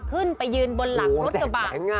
ขึ้นไปยืนบนหลังรถกระบะ